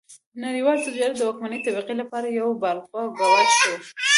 نړیوال تجارت د واکمنې طبقې لپاره یو بالقوه ګواښ و.